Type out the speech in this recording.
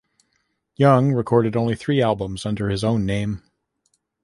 Young recorded only three albums under his own name.